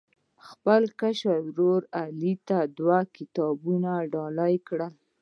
احمد خپل کشر ورر علي ته دوه کتابونه ډالۍ کړل.